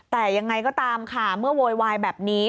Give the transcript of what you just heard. แต่ยังไงก็ตามค่ะเมื่อโวยวายแบบนี้